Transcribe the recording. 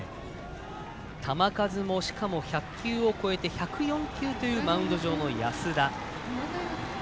球数も１００球を超えて１０４球というマウンド上の安田。